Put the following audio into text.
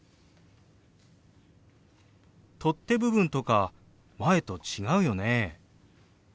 取っ手部分とか前と違うよね？